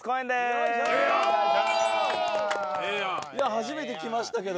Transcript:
初めて来ましたけど。